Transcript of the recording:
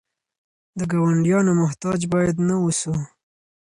د ګاونډیانو محتاج باید نه اوسو.